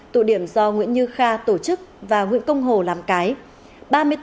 tụ điểm do nguyễn như kha tổ chức và nguyễn công hồ làm cái